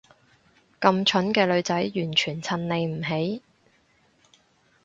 咁蠢嘅女仔完全襯你唔起